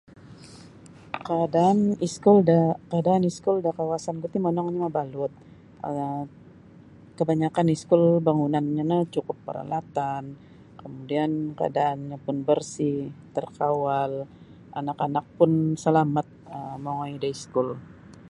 Kaadaan iskul da kaadaan iskul da kawasan ku ti monongnyo mabalut um kabanyakan iskul bangunannyo no cukup paralatan kemudian kaadaannyo pun bersih tarkawal anak-anak pun salamat um mongoi da iskul.